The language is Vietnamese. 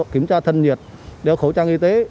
kiểm tra thân nhiệt đeo khẩu trang y tế